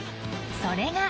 それが。